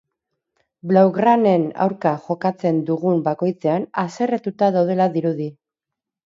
Blaugranen aurka jokatzen dugun bakoitzean haserretuta daudela dirudi.